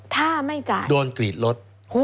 ถ้าไม่จะโดนกรีดรถ